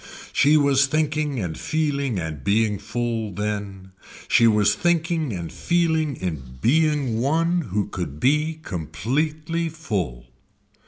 She was thinking and feeling and being full then. She was thinking and feeling in being one who could be completely full.